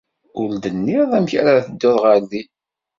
Ur d-nniɣ amek ara dduɣ ɣer din.